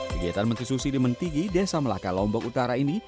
kegiatan menteri susi di mentigi desa melaka lombok utara ini